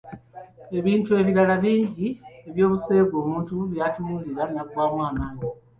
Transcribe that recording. Ebitu ebirala bingi eby'obuseegu omuntu by'atunuulira naggwaamu amaanyi.